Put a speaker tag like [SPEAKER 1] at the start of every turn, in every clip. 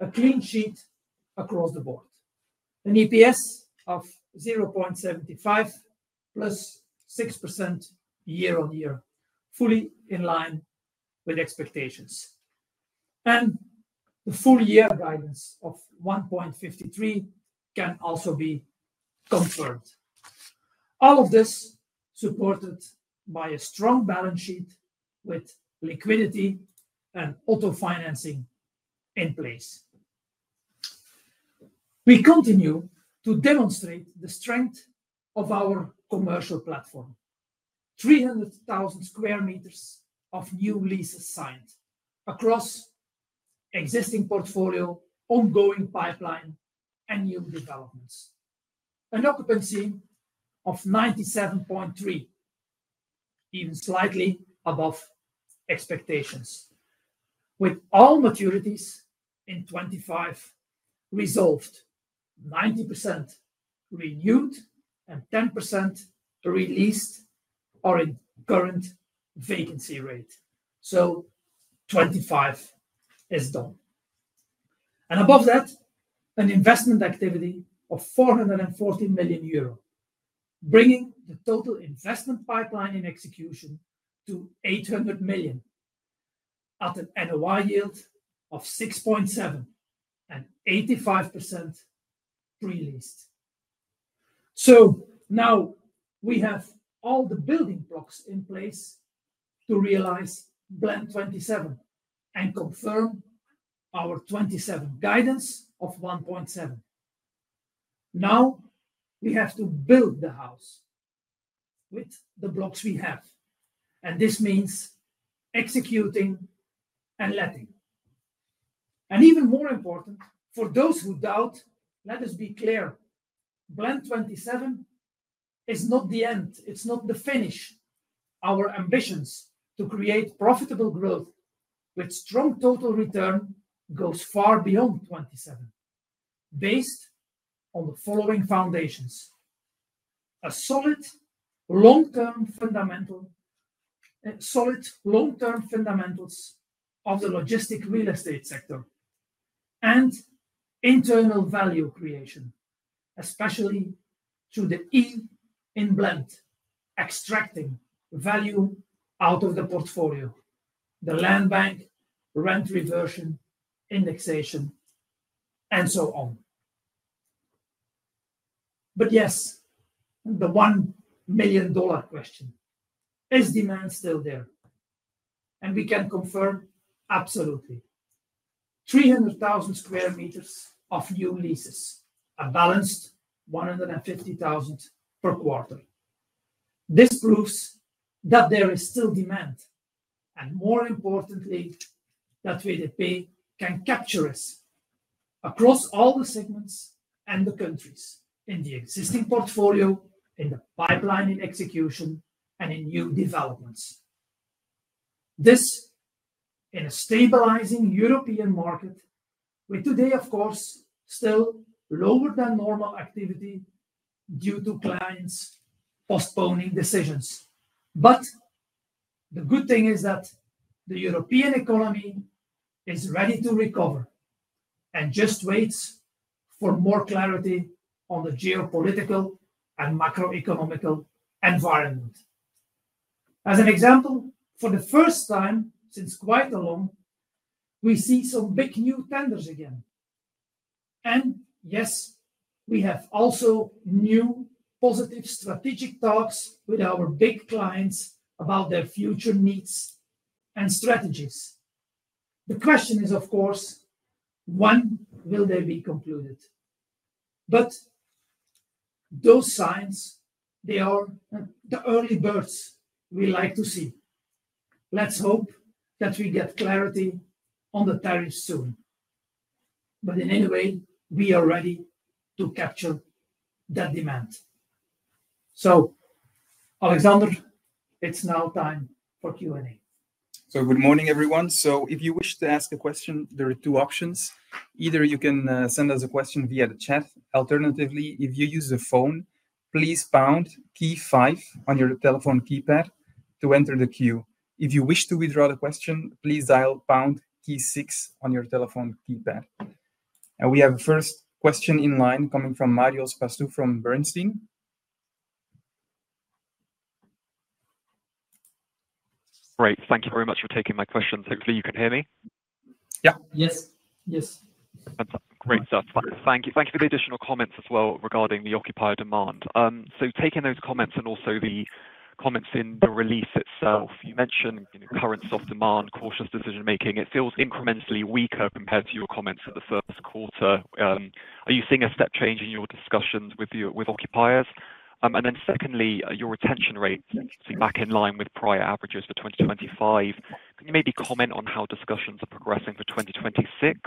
[SPEAKER 1] A clean sheet across the board. An EPS of 0.75 plus 6% year on year, fully in line with expectations. And the full year guidance of 1.53 can also be confirmed. All of this supported by a strong balance sheet with liquidity and auto financing in place. We continue to demonstrate the strength of our commercial platform. 300,000 square meters of new leases signed across existing portfolio, ongoing pipeline, and new developments. An occupancy of 97.3 in slightly above expectations With all maturities in '25 resolved, 90 renewed and 10% released or in current vacancy rate. So '25 is done. And above that, an investment activity of €440,000,000, bringing the total investment pipeline in execution to 800,000,000 at an NOI yield of 6.785 preleased. So now we have all the building blocks in place to realize blend 27 and confirm our 27 guidance of 1.7. Now we have to build the house with the blocks we have, and this means executing and letting. And even more important, for those who doubt, let us be clear, Blend '27 is not the end. It's not the finish. Our ambitions to create profitable growth with strong total return goes far beyond '27 based on the following foundations, a solid long term fundamental solid long term fundamentals of the logistic real estate sector and internal value creation, especially through the e in blend, extracting value out of the portfolio, the land bank, rent reversion, indexation, and so on. But, yes, the $1,000,000 question. Is demand still there? And we can confirm absolutely. 300,000 square meters of new leases, a balanced 150,000 per quarter. This proves that there is still demand, and more importantly, that way that pay can capture us across all the segments and the countries in the existing portfolio, in the pipeline in execution, and in new developments. This in a stabilizing European market with today, of course, still lower than normal activity due to clients postponing decisions. But the good thing is that the European economy is ready to recover and just waits for more clarity on the geopolitical and macroeconomic environment. As an example, for the first time since quite a long, we see some big new tenders again. And, yes, we have also new positive strategic talks with our big clients about their future needs and strategies. The question is, of course, when will they be concluded? But those signs, they are the early birds we like to see. Let's hope that we get clarity on the tariffs soon. But in any way, we are ready to capture that demand. So, Alexander, it's now time for q and a.
[SPEAKER 2] So good morning, everyone. So if you wish to ask a question, there are two options. Either you can send us a question via the chat. Alternatively, if you use the phone, please pound key 5 on your telephone keypad to enter the queue. If you wish to withdraw the question, please dial 6 on your telephone keypad. And we have the first question in line coming from Mario Espastu from Bernstein.
[SPEAKER 3] Great. Thank you very much for taking my questions. Hopefully, you can hear
[SPEAKER 1] me? Yes.
[SPEAKER 3] Great stuff. Thank you. Thanks for the additional comment as well regarding the occupier demand. So taking those comments and also the comments in the release itself, you mentioned current soft demand, cautious decision making. It feels incrementally weaker compared to your comments for the first quarter. You seeing a step change in your discussions with occupiers? And then secondly, your retention rates seem back in line with prior averages for 2025. Can you maybe comment on how discussions are progressing for 2026?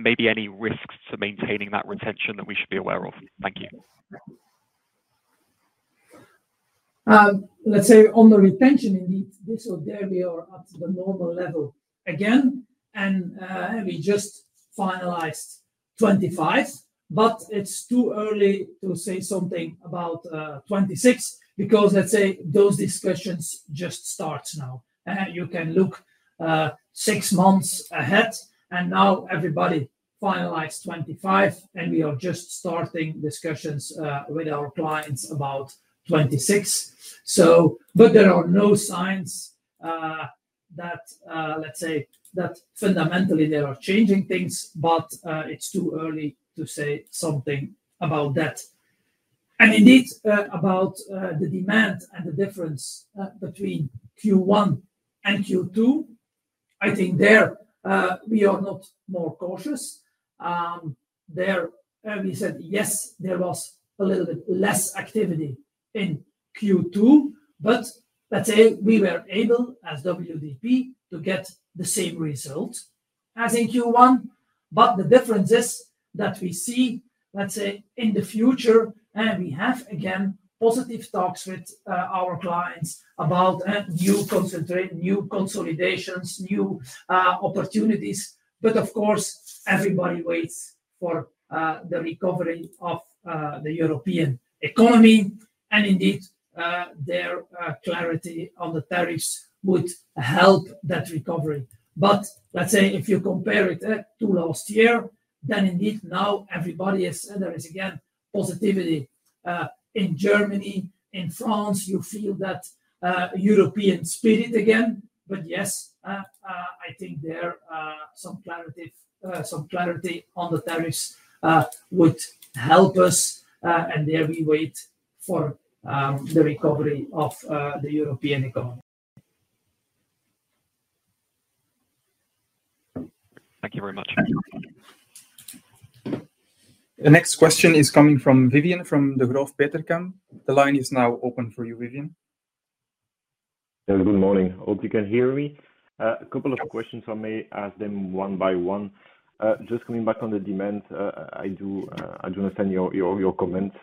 [SPEAKER 3] Maybe any risks to maintaining that retention that we should be aware of? Thank you.
[SPEAKER 1] Let's say on the retention, indeed, this or there, we are up to the normal level again. And we just finalized '25. But it's too early to say something about '26 because, let's say, those discussions just starts now. And you can look six months ahead, and now everybody finalized '25, and we are just starting discussions with our clients about '26. So but there are no signs that, let's say, that fundamentally, they are changing things, but it's too early to say something about that. And indeed, about the demand and the difference between q one and q two, I think there, we are not more cautious. There and we said, yes, there was a little bit less activity in q two. But let's say, we were able, as WDP, to get the same result as in q one. But the difference is that we see, let's say, in the future, and we have, again, positive talks with our clients about new concentrate new consolidations, new opportunities. But, of course, everybody waits for the recovery of the European economy, and indeed, clarity on the tariffs would help that recovery. But let's say if you compare it to last year, then indeed now everybody has and there is again positivity. In Germany, in France, you feel that European spirit again. But, yes, I think there are some clarity some clarity on the tariffs would help us, and there we wait for the recovery of the European economy.
[SPEAKER 3] Thank you very much.
[SPEAKER 2] The next question is coming from Vivian from Degroof Petercam. The line is now open for you, Vivien.
[SPEAKER 4] Good morning. Hope you can hear me. Couple of questions, if I may ask them one by one. Coming back on the demand, I do understand your comments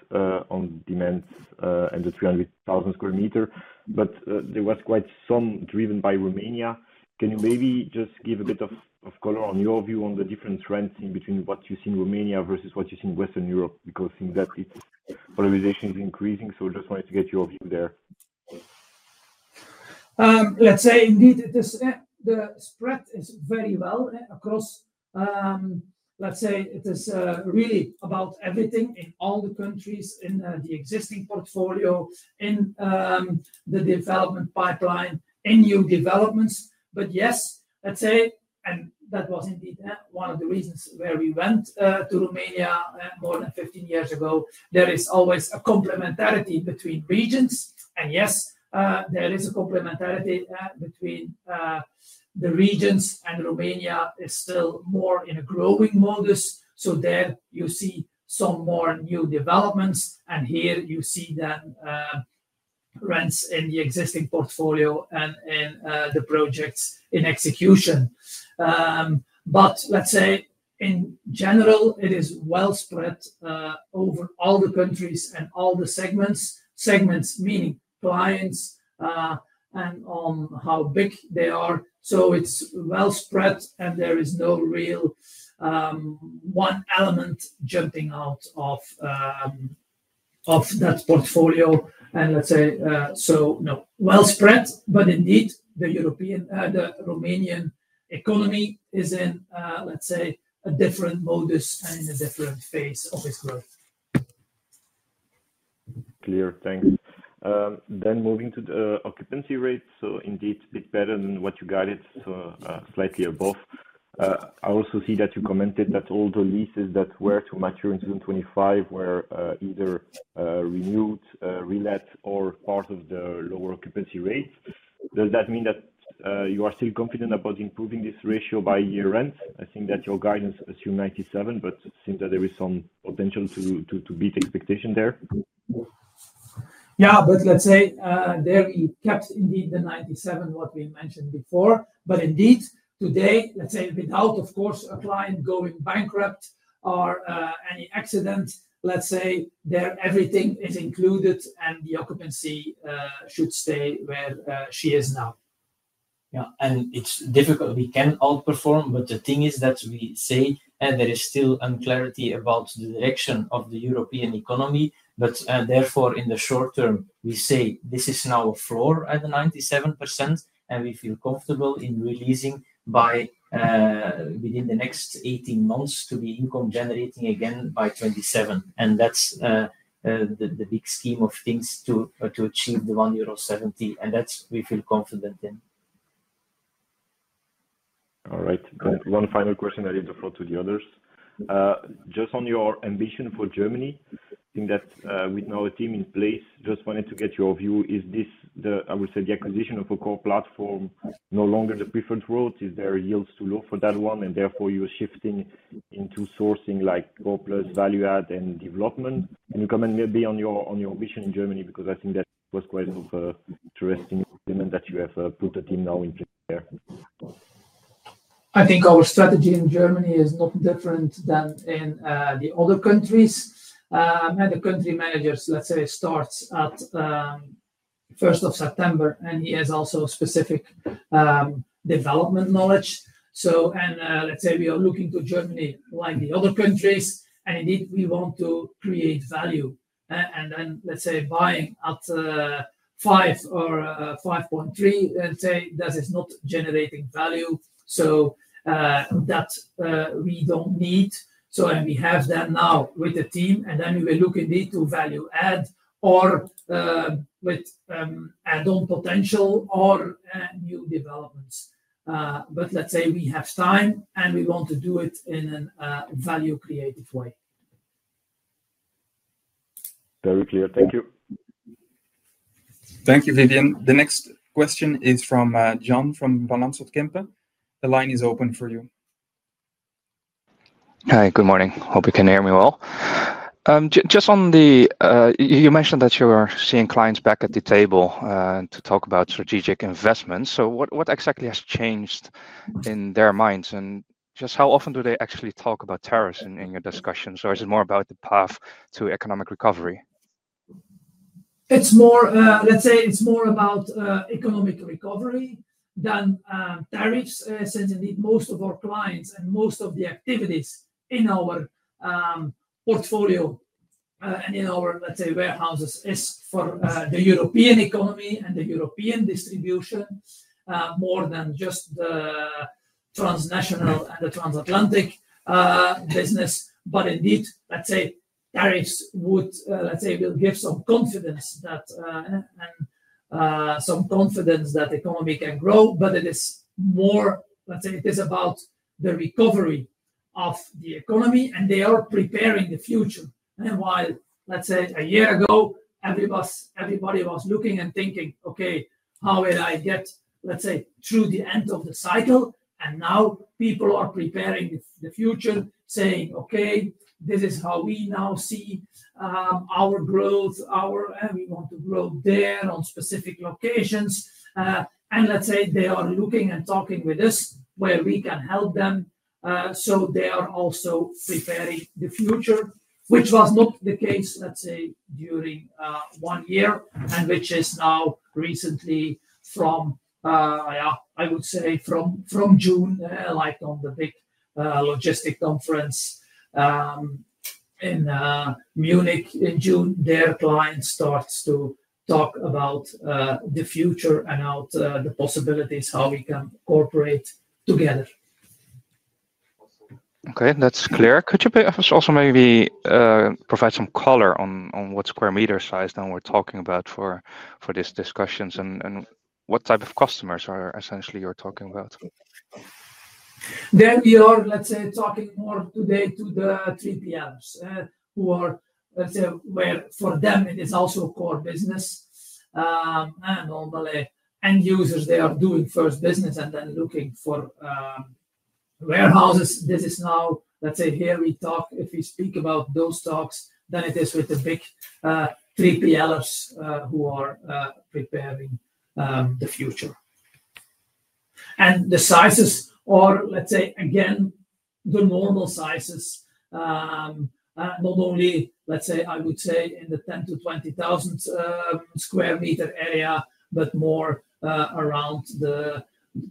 [SPEAKER 4] on demand in the 300,000 square meter, but there was quite some driven by Romania. Can you maybe just give a bit of color on your view on the different trends in between what you see in Romania versus what you see in Western Europe? Because in that, polarization is increasing. So I just wanted to get your view there.
[SPEAKER 1] Let's say, indeed, this the spread is very well across let's say, it is really about everything in all the countries in the existing portfolio, in the development pipeline, in new developments. But, yes, let's say and that was indeed one of the reasons where we went to Romania more than fifteen years ago. There is always a complementarity between regions. And, yes, there is a complementarity between the regions, and Romania is still more in a growing mongoose. So there, you see some more new developments. And here, you see the rents in the existing portfolio and and the projects in execution. But let's say, in general, it is well spread over all the countries and all the segments. Segments meaning clients and on how big they are. So it's well spread, and there is no real one element jumping out of of that portfolio. And let's say so no. Well spread, but indeed, the European the Romanian economy is in, let's say, a different modus and in a different phase of its growth.
[SPEAKER 4] Clear. Thanks. Then moving to the occupancy rates. So indeed, bit better than what you guided, so slightly above. I also see that you commented that all the leases that were to mature in 2025 were either renewed, relet or part of the lower occupancy rates. Does that mean that you are still confident about improving this ratio by year end? I think that your guidance assume '97, but it seems that there is some potential to to to beat the expectation there.
[SPEAKER 1] Yeah. But let's say, there, you kept indeed the '97 what we mentioned before. But indeed, today, let's say, without, of course, a client going bankrupt or any accident, let's say, there everything is included and the occupancy should stay where she is now.
[SPEAKER 5] Yeah. And it's difficult. We can outperform, but the thing is that we say and there is still unclarity about the direction of the European economy. But and therefore, the short term, we say this is now a floor at the 97%, and we feel comfortable in releasing by within the next eighteen months to be income generating again by '27. And that's the big scheme of things to achieve the 1.7, and that's we feel confident in.
[SPEAKER 4] All right. One final question, leave the floor to the others. Just on your ambition for Germany, in that with now a team in place, just wanted to get your view, is this the I would say the acquisition of a core platform no longer the preferred route? Is there yields too low for that one and therefore you're shifting into sourcing like go plus value add and development. Can you comment maybe on your on your vision in Germany? Because I think that was quite interesting, I mean, that you have put the team now into there. I
[SPEAKER 1] think our strategy in Germany is not different than in the other countries. And the country managers, let's say, starts at September 1, and he has also specific development knowledge. So and let's say we are looking to Germany like the other countries, and indeed, we want to create value. And then, let's say, buying at five or 5.3, let's say, that is not generating value. So that we don't need. So and we have that now with the team, and then we will look at it to value add or with add on potential or new developments. But let's say we have time, and and we want to do it in a value creative way.
[SPEAKER 4] Very clear. Thank you.
[SPEAKER 2] Thank you, Vedian. The next question is from John from Vollansworth Kempen. The line is open for you.
[SPEAKER 6] Hi. Good morning. Hope you can hear me well. Just on the you mentioned that you're seeing clients back at the table to talk about strategic investments. So what what exactly has changed in their minds? And just how often do they actually talk about tariffs in in your discussions? Or is it more about the path to economic recovery?
[SPEAKER 1] It's more let's say, it's more about economic recovery than tariffs since, indeed, most of our clients and most of the activities in our portfolio and in our, let's say, warehouses is for the European economy and the European distribution more than just the transnational and the transatlantic business. But indeed, let's say, tariffs would let's say, will give some confidence that and some confidence that the economy can grow, but it is more let's say, is about the recovery of the economy, and they are preparing the future. And while, let's say, a year ago, every bus everybody was looking and thinking, okay. How will I get, let's say, through the end of the cycle? And now people are preparing the the future saying, okay. This is how we now see our growth, our and we want to grow there on specific locations. And let's say they are looking and talking with us where we can help them so they are also preparing the future, which was not the case, let's say, during one year and which is now recently from, yeah, I would say, from from June, like, the big logistic conference in Munich in June. Their client starts to talk about the future and how the possibilities how we can cooperate together.
[SPEAKER 6] Okay. That's clear. Could you be if it's also maybe provide some color on on what square meter size then we're talking about for for these discussions and and what type of customers are essentially you're talking about?
[SPEAKER 1] Then we are, let's say, talking more today to the three PMs who are let's say, where for them, it is also a core business. And, normally, end users, they are doing first business and then looking for warehouses. This is now let's say, here we talk. If we speak about those talks, then it is with the big three p l's who are preparing the future. And the sizes are, let's say, again, the normal sizes. Not only, let's say, I would say, in the 10 to 20,000 square meter area, but more around the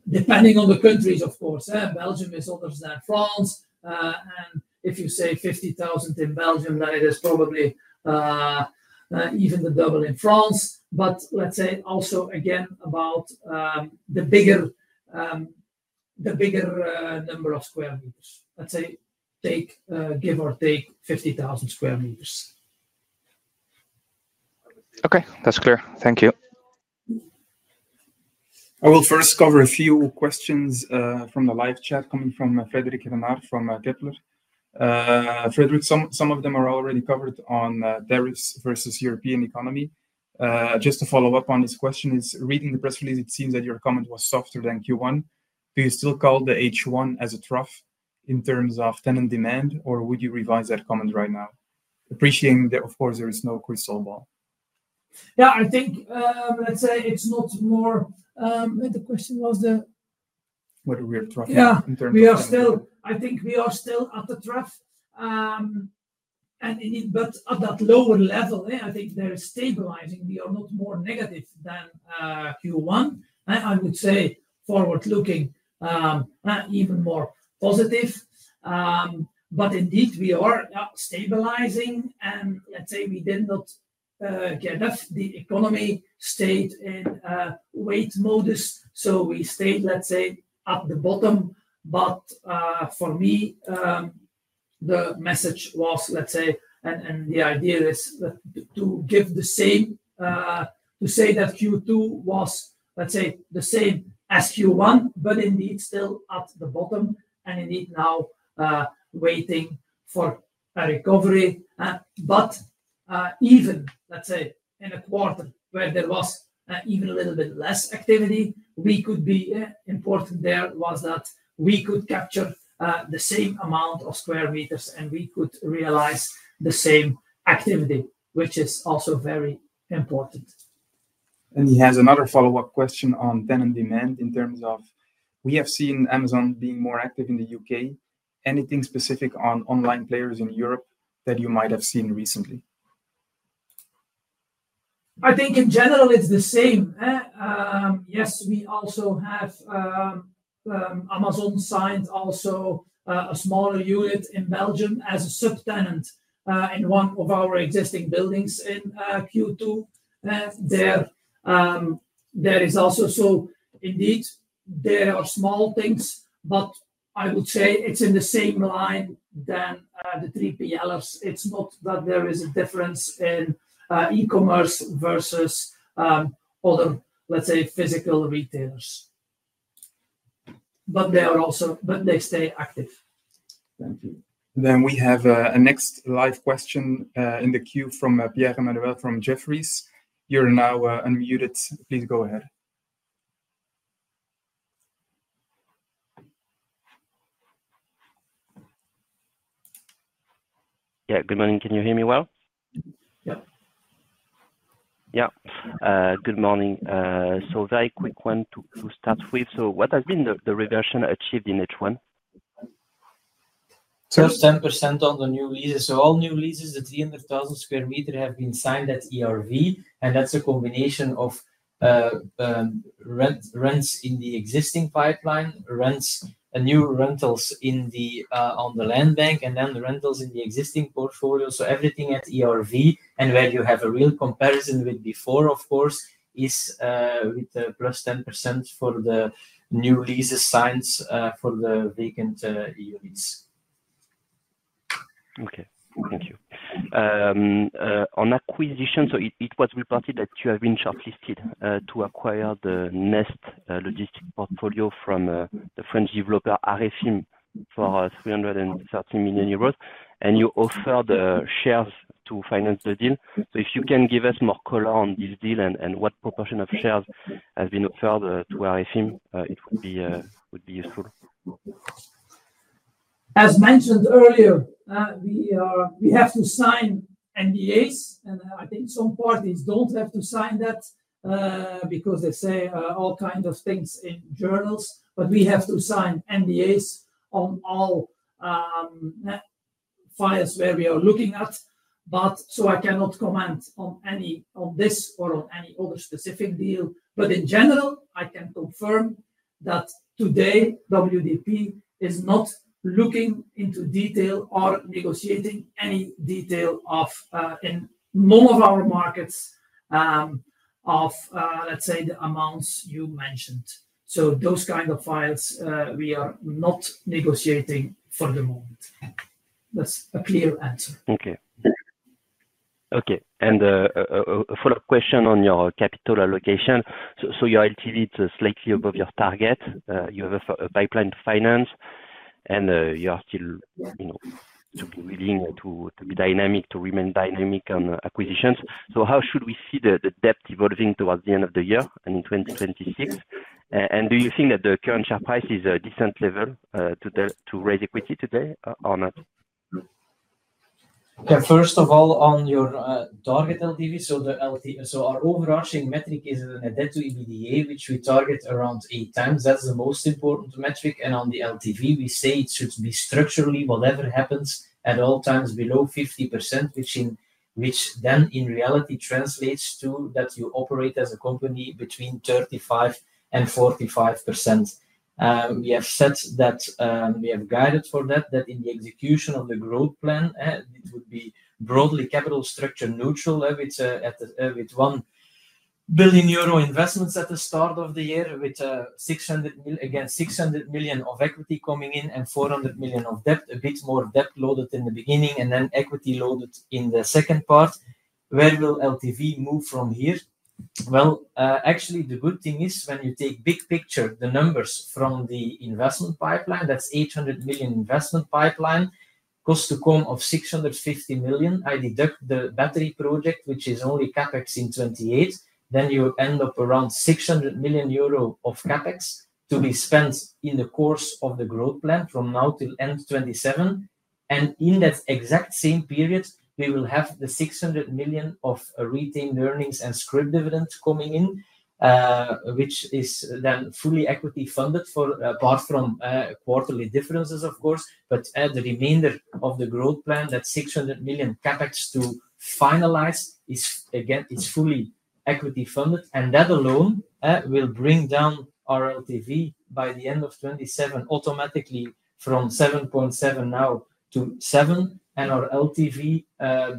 [SPEAKER 1] depending on the countries, of course. Belgium is other than France. And if you say 50,000 in Belgium, then it is probably even the double in France. But let's say, also, again, about the bigger the bigger number of square meters. Let's say, take give or take 50,000 square meters.
[SPEAKER 6] Okay. That's clear. Thank you.
[SPEAKER 2] I will first cover a few questions from the live chat coming from Frederic Renard from Kepler. Frederic, some of them are already covered on tariffs versus European economy. Just to follow-up on this question is reading the press release, it seems that your comment softer than q one. Do you still call the h one as a trough in terms of tenant demand, or would you revise that comment right now? Appreciating that, of course, there is no crystal ball.
[SPEAKER 1] Yeah. I think, let's say, it's not more the question was the Whether we are traffic in terms of We are still I think we are still at the trough. And in but at that lower level, yeah, I think they're stabilizing. We are not more negative than q one. And I would say forward looking even more positive. But indeed, we are stabilizing. And let's say, we did not get enough. The economy stayed in wait mode. We stayed, let's say, at the bottom. But for me, the message was, let's say and and the idea is that to give the same to say that q two was, let's say, the same as q one, but indeed still at the bottom and indeed now waiting for a recovery. But even, let's say, in a quarter where there was even a little bit less activity, we could be important there was that we could capture the same amount of square meters, and we could realize the same activity, which is also very important.
[SPEAKER 2] And he has another follow-up question on tenant demand in terms of we have seen Amazon being more active in The UK. Anything specific on online players in Europe that you might have seen recently?
[SPEAKER 1] I think in general, it's the same. Yes. We also have Amazon signed also a smaller unit in Belgium as a subtenant in one of our existing buildings in q two. There there is also so, indeed, there are small things, but I would say it's in the same line than the three PLFs. It's not that there is a difference in ecommerce versus other, let's say, physical retailers. But they are also but they stay active.
[SPEAKER 2] Thank you. Then we have a next live question in the queue from Pierre Emmanuel from Jefferies. You're now unmuted. Please go ahead.
[SPEAKER 7] Yeah. Good morning. Can you hear me well? Yeah. Yeah. Good morning. So very quick one to start with. So what has been the reduction achieved in H1?
[SPEAKER 5] So it's 10% on the new leases. So all new leases at 300,000 square meter have been signed at ERV, and that's a combination of rents in the existing pipeline, rents new rentals in the on the land bank and then the rentals in the existing portfolio. So everything at ERV and where you have a real comparison with before, of course, is with the plus 10% for the new leases signed for the vacant units.
[SPEAKER 7] Okay. Thank you. On acquisitions, so it it was reported that you have been shortlisted to to acquire the Nest Logistics portfolio from the French developer, Arifim, for EUR $330,000,000. And you offered the shares to finance the deal. So if you can give us more color on this deal and what proportion of shares has been further to our team, it would be would be useful. As
[SPEAKER 1] mentioned earlier, we are we have to sign NDAs, and I think some parties don't have to sign that because they say all kind of things in journals. But we have to sign NDAs on all files where we are looking at. But so I cannot comment on any of this or on any other specific deal. But in general, I can confirm that today, WDP is not looking into detail or negotiating any detail of in more of our markets of, let's say, the amounts you mentioned. So those kind of files, we are not negotiating for the moment. That's a clear answer.
[SPEAKER 7] Okay. Okay. And a follow-up question on your capital allocation. So your LTV is slightly above your target. You have a pipeline to finance, and you are still willing to be dynamic, to remain dynamic on acquisitions. So how should we see the debt evolving towards the end of the year in 2026? And do you think that the current share price is a decent level to raise equity today or not?
[SPEAKER 5] Yeah. First of all, on your target LTV, so the l t so our overarching metric is a debt to EBITDA, which we target around eight times. That's the most important metric. And on the LTV, we say it should be structurally whatever happens at all times below 50%, which in which then in reality translates to that you operate as a company between 3545%. We have said that we have guided for that, that in the execution of the growth plan, it would be broadly capital structure neutral with €1,000,000,000 investments at the start of the year with 100,000,000 again, 600,000,000 of equity coming in and 400,000,000 of debt, a bit more debt loaded in the beginning and then equity loaded in the second part. Where will LTV move from here? Well, actually, the good thing is when you take big picture, the numbers from the investment pipeline, that's 800,000,000 investment pipeline, cost to come of 650,000,000. I deduct the battery project, which is only CapEx in '28, then you end up around €600,000,000 of CapEx to to be be spent in the course of the growth plan from now till end twenty seven. And in that exact same period, we will have the 600,000,000 of retained earnings and scrip dividends coming in, which is then fully equity funded for apart from quarterly differences, of course. But the remainder of the growth plan, that 600,000,000 CapEx to finalize is, again, is fully equity funded. And that alone will bring down our LTV by the '27 automatically from 7.7 now to seven, and our LTV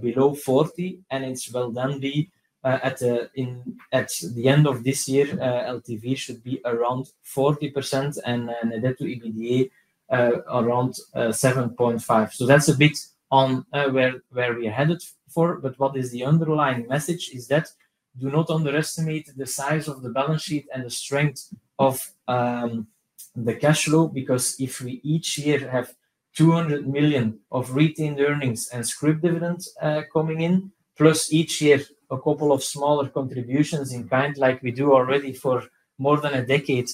[SPEAKER 5] below 40, and it's well done be at a in at the end of this year, LTV should be around 40% and then the debt to EBITDA around 7.5. So that's a bit on where where we're headed for. But what is the underlying message is that do not underestimate the size of the balance sheet and the strength of the cash flow because if we each year have 200,000,000 of retained earnings and scrip dividends coming in, plus each year, a couple of smaller contributions in kind like we do already for more than a decade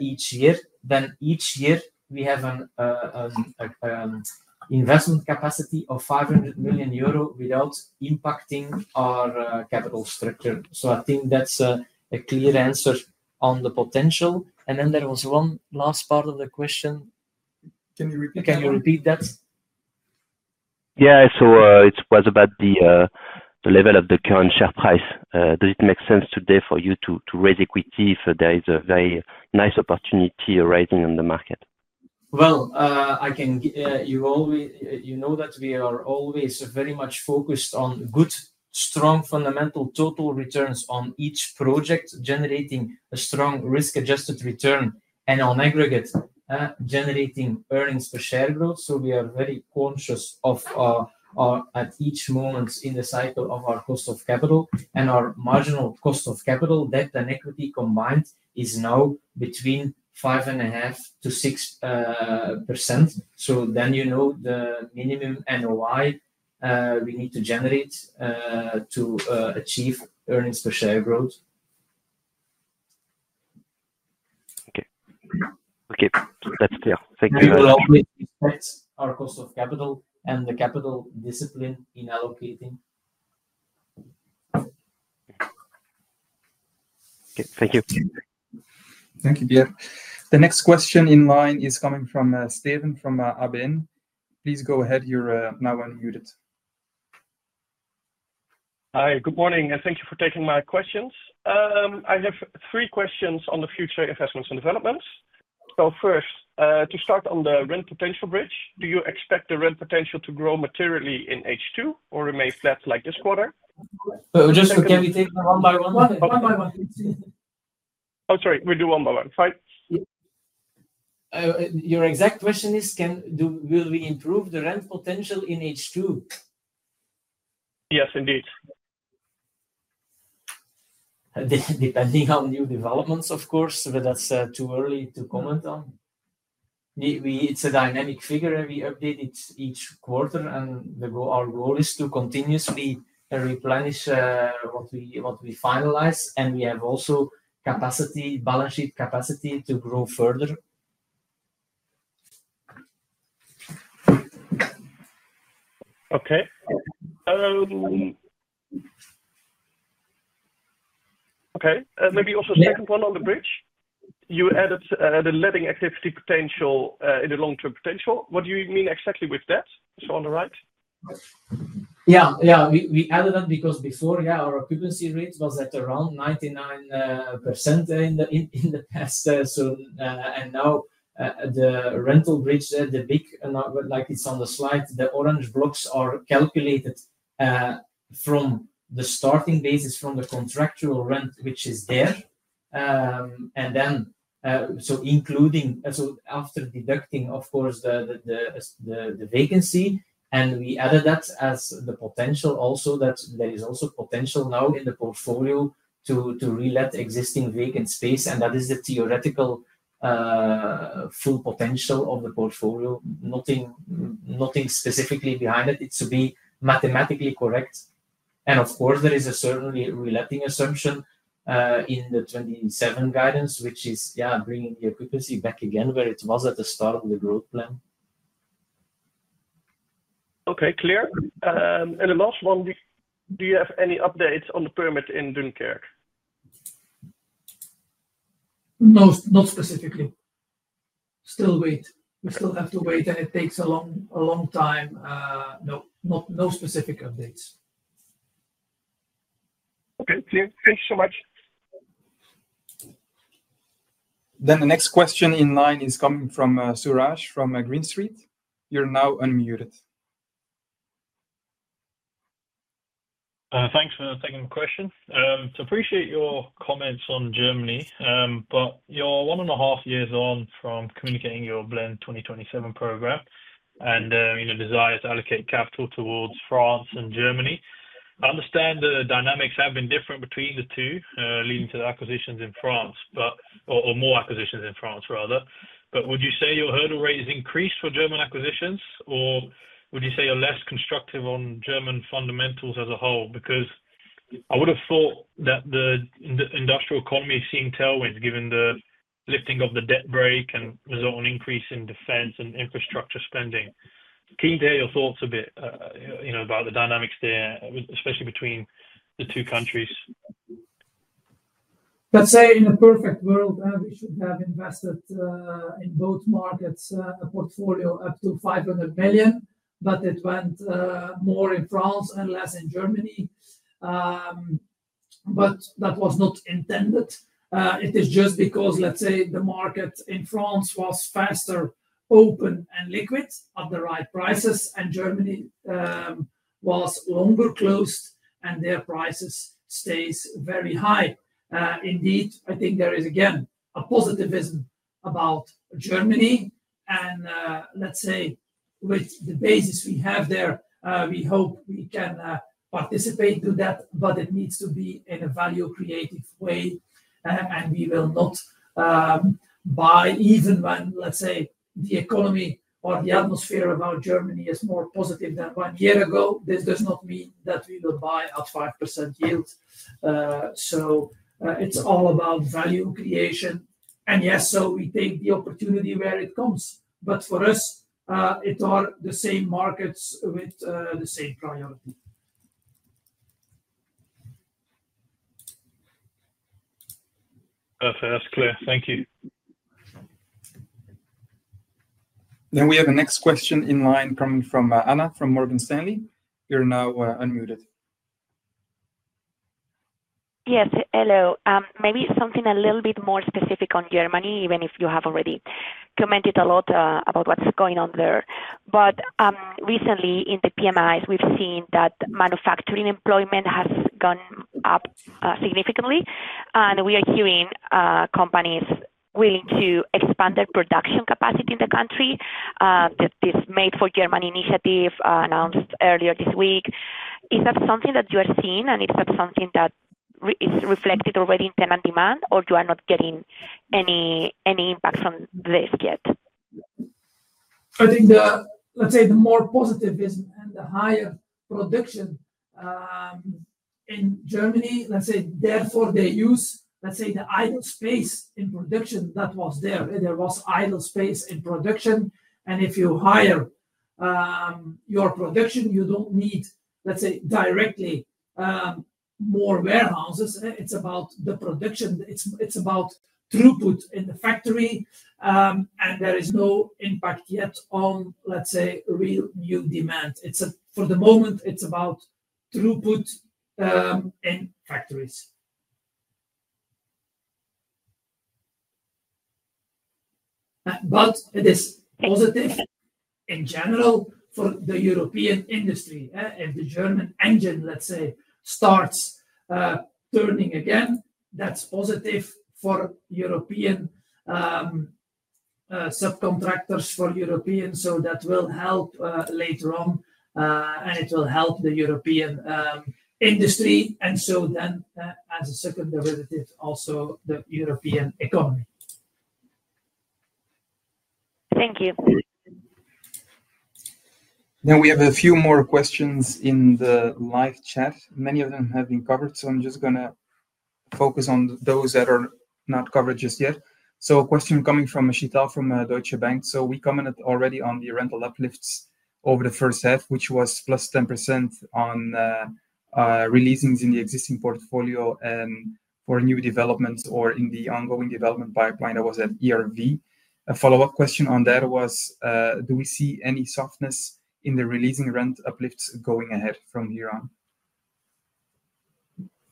[SPEAKER 5] each year, then each year, we have an investment capacity of €500,000,000 without impacting our capital structure. So I think that's a clear answer on the potential. And then there was one last part of the question.
[SPEAKER 2] Can you repeat that?
[SPEAKER 7] Yes. So it was about the level of the current share price. Does it make sense today for you to raise equity if there is a very nice opportunity arising in the market?
[SPEAKER 5] Well, I can you know that we are always very much focused on good, strong fundamental total returns on each project, generating a strong risk adjusted return and on aggregate, generating earnings per share growth. So we are very conscious of our at each moment in the cycle of our cost of capital. And our marginal cost of capital, debt and equity combined is now between five and a half to 6%. So then you know the minimum NOI we need to generate to achieve earnings per share growth.
[SPEAKER 7] Okay. Okay. That's clear. Thank you very
[SPEAKER 5] our cost of capital and the capital discipline in allocating.
[SPEAKER 7] K. Thank you. Thank
[SPEAKER 2] you, Pierre. The next question in line is coming from Steven from Aben. Please go ahead. You're now unmuted.
[SPEAKER 8] Hi, good morning and thank you for taking my questions. I have three questions on the future investments and developments. So first, to start on the rent potential bridge, do you expect the rent potential to grow materially in H2 or remain flat like this quarter?
[SPEAKER 1] Just can we take one by one? One by one.
[SPEAKER 8] Sorry. We do one by one. Fine.
[SPEAKER 5] Your exact question is can do will we improve the rent potential in h '2?
[SPEAKER 8] Yes. Indeed.
[SPEAKER 5] Depending on new developments, of course, but that's too early to comment on. We we it's a dynamic figure, and we update it each quarter. And the goal our goal is to continuously replenish what we what we finalize, and we have also capacity balance sheet capacity to grow further.
[SPEAKER 8] Okay. Okay. And maybe also second one on the bridge. You added the letting activity potential in the long term potential. What do you mean exactly with that? So on the right? Yeah.
[SPEAKER 5] Yeah. We we added that because before, yeah, our occupancy rates was at around 99% in the in in the past. So and now the rental bridge, the big and I would like it's on the slides. The orange blocks are calculated from the starting basis from the contractual rent, which is there. And then so including so after deducting, of course, the the the the the vacancy, and we added that as the potential also that there is also potential now in the portfolio to to relet existing vacant space, and that is the theoretical full potential of the portfolio. Nothing nothing specifically behind it. It should be mathematically correct. And, of course, there is a certainly reletting assumption in the '27 guidance, which is, yeah, bringing the occupancy back again where it was at the start of the growth plan.
[SPEAKER 8] Okay. Clear. And the last one, do you have any updates on the permit in Dunkirk?
[SPEAKER 1] No. Not specifically. Still wait. We still have to wait, and it takes a long a long time. No. Not no specific updates.
[SPEAKER 8] Okay. Clear. Thanks so much. Then
[SPEAKER 2] the next question in line is coming from Suraj from Green Street. You're now unmuted.
[SPEAKER 9] Thanks for taking the question. So appreciate your comments on Germany, but you're one point five years on from communicating your Blend 2027 program and your desire to allocate capital towards France and Germany. I understand the dynamics have been different between the two leading to the acquisitions in France, but or more acquisitions in France rather. But would you say your hurdle rate has increased for German acquisitions? Or would you say you're less constructive on German fundamentals as a whole? Because I would have thought that the industrial economy is seeing tailwinds given the lifting of the debt break and result on increase in defense and infrastructure spending. Can you hear your thoughts a bit about the dynamics there, especially between the two countries?
[SPEAKER 1] Let's say in a perfect world, we should have invested in both markets, a portfolio up to 500,000,000, but it went more in France and less in Germany. But that was not intended. It is just because, let's say, the market in France was faster open and liquid at the right prices, and Germany was longer closed and their prices stays very high. Indeed, I think there is, again, a positivism about Germany. And let's say, with the basis we have there, we hope we can participate to that, but it needs to be in a value creative way, And we will not buy even when, let's say, the economy or the atmosphere about Germany is more positive than one year ago. This does not mean that we will buy at 5% yield. So it's all about value creation. And, yes, so we take the opportunity where it comes. But for us, it are the same markets with the same priority.
[SPEAKER 9] Perfect. That's clear. Thank you.
[SPEAKER 2] Then we have the next question in line coming from Anna from Morgan Stanley. You're now unmuted.
[SPEAKER 10] Yes. Hello. Maybe something a little bit more specific on Germany, even if you have already commented a lot about what's going on there. But recently, in the PMIs, we've seen that manufacturing employment has gone up significantly. And we are hearing companies willing to expand their production capacity in the country that this made for Germany initiative announced earlier this week. Is that something that you are seeing? And is that something that is reflected already in tenant demand, or you are not getting any any impact from this yet?
[SPEAKER 1] I think the, let's say, the more positive is the higher production Germany, let's say, therefore, they use, let's say, the idle space in production that was there. And there was idle space in production. And if you hire your production, you don't need, let's say, directly more warehouses. It's about the production. It's it's about throughput in the factory, and there is no impact yet on, let's say, real new demand. It's a for the moment, it's about throughput in factories. But it is positive in general for the European industry. If the German engine, let's say, starts turning again, that's positive for European subcontractors for European. So that will help later on, and it will help the European industry. And so then as a second derivative, also the European economy.
[SPEAKER 10] Thank you.
[SPEAKER 2] Now we have a few more questions in the live chat. Many of them have been covered, so I'm just gonna focus on those that are not covered just yet. So a question coming from Michita from Deutsche Bank. So we commented already on the rental uplifts over the first half, which was plus 10 on releasings in the existing portfolio for new developments or in the ongoing development pipeline that was at ERV. A follow-up question on that was, do we see any softness in the releasing rent uplifts going ahead from here on?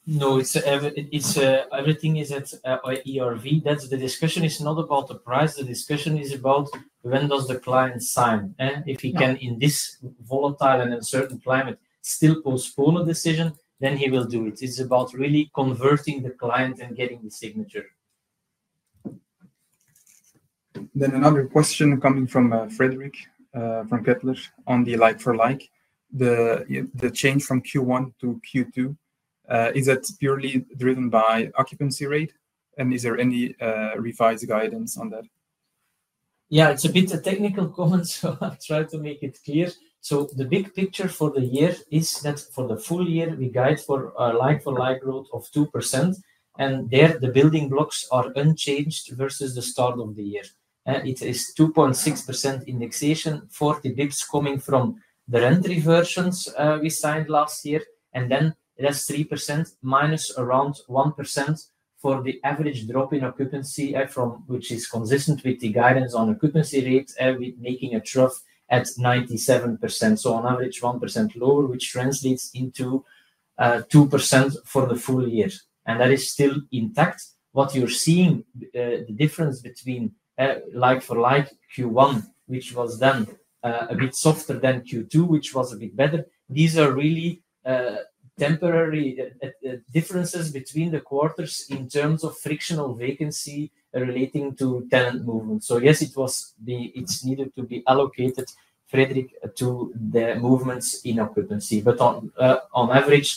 [SPEAKER 5] No. It's every it's everything is at ERV. That's the discussion is not about the price. The discussion is about when does the client sign. And if he can, in this volatile and uncertain climate, still postpone a decision, then he will do it. It's about really converting the client and getting the signature.
[SPEAKER 2] Then another question coming from Frederic from on the like for like. The the change from q one to q two, is that purely driven by occupancy rate? And is there any revised guidance on that?
[SPEAKER 5] Yeah. It's a bit technical comment, so I'll try to make it clear. So the big picture for the year is that for the full year, we guide for like for like growth of 2%. And there, the building blocks are unchanged versus the start of the year. It is 2.6% indexation, 40 bps coming from the entry versions we signed last year, and then it has 3% minus around 1% for the average drop in occupancy from which is consistent with the guidance on occupancy rates and we're making a trough at 97%. So on average, 1% lower, which translates into 2% for the full year. And that is still intact. What you're seeing, the difference between like for like q one, which was then a bit softer than q two, which was a bit better. These are really temporary differences between the quarters in terms of frictional vacancy relating to tenant movements. So, yes, it was the it's needed to be allocated, Fredrik, to the movements in occupancy. But on on average,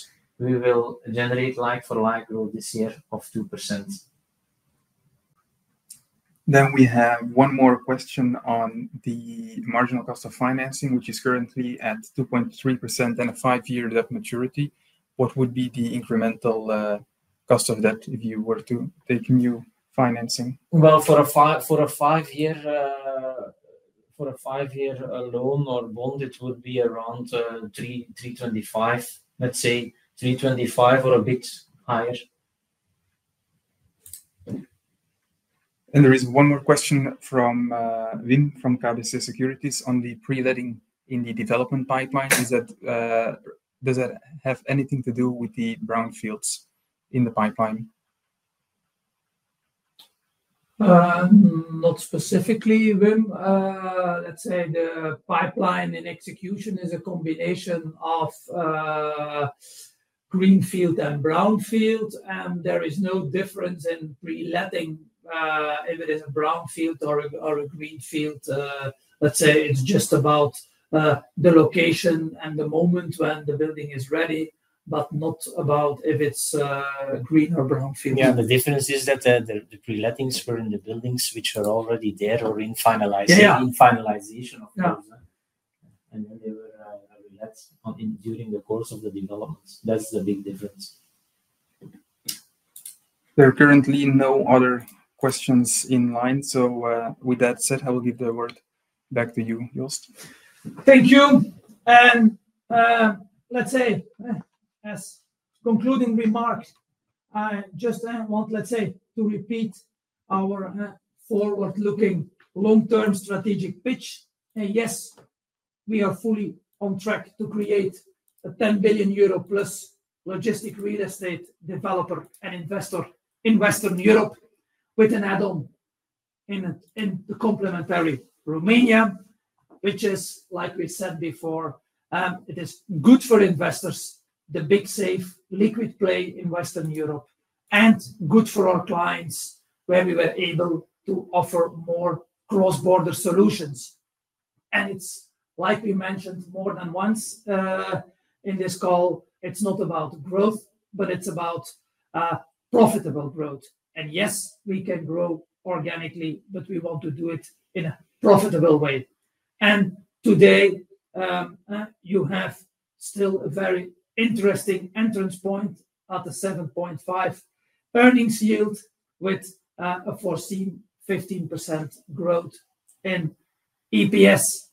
[SPEAKER 5] we will generate like for like growth this year of 2%.
[SPEAKER 2] Then we have one more question on the marginal cost of financing, which is currently at 2.3 and a five year debt maturity. What would be the incremental cost of debt if you were to take new financing?
[SPEAKER 5] Well, for a five for a five year for a five year loan or bond, it would be around $3.03 25. Let's say, $3.25 or a bit higher.
[SPEAKER 2] And there is one more question from Vin from Credit Suisse Securities on the pre letting in the development pipeline. Is that does that have anything to do with the brownfields in the pipeline?
[SPEAKER 1] Not specifically, Wim. Let's say the pipeline and execution is a combination of greenfield and brownfield, and there is no difference in pre letting if it is a brownfield or a or a greenfield. Let's say, it's just about the location and the moment when the building is ready, but not about if it's green or brownfield.
[SPEAKER 5] Yeah. The difference is that the the pre lettings were in the buildings, which are already there or in In finalization of the concept. And then they were I will let in during the course of the developments. That's the big difference.
[SPEAKER 2] There are currently no other questions in line. So with that said, I will
[SPEAKER 5] give the word back to you, Joost. Thank you. And let's say, as
[SPEAKER 1] concluding remarks, I just want, let's say, to repeat our forward looking long term strategic pitch. And, yes, we are fully on track to create a €10,000,000,000 plus logistic real estate developer and investor in Western Europe with an add on in a in the complementary Romania, which is, like we said before, it is good for investors, the big, safe, liquid play in Western Europe, and good for our clients where we were able to offer more cross border solutions. And it's like we mentioned more than once in this call, it's not about growth, but it's about profitable growth. And, yes, we can grow organically, but we want to do it in a profitable way. And today, you have still a very interesting entrance point at the 7.5 earnings yield with a foreseen 15% growth in EPS.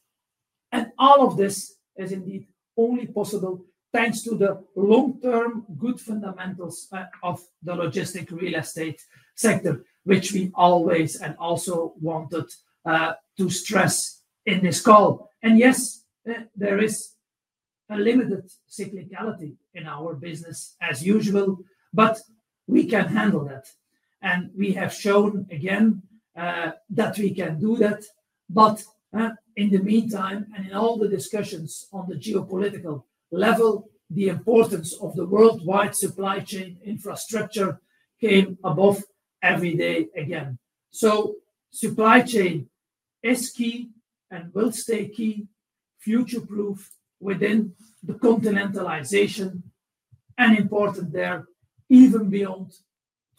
[SPEAKER 1] And all of this is indeed only possible thanks to the long term good fundamentals of the logistic real estate sector, which we always and also wanted to stress in this call. And, yes, there is a limited cyclicality in our business as usual, but we can handle that. And we have shown again that we can do that. But in the meantime, and in all the discussions on the geopolitical level, the importance of the worldwide supply chain infrastructure came above every day again. So supply chain is key and will stay key, future proof within the continentalization and important there even beyond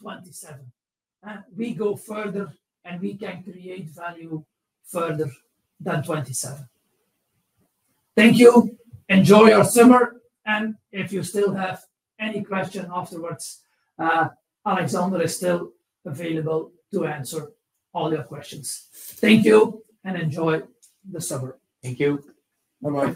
[SPEAKER 1] '27. We go further, and we can create value further than '27. Thank you. Enjoy your summer. And if you still have any question afterwards, Alexander is still available to answer all your questions. Thank you, and enjoy the summer. Thank you. Bye bye.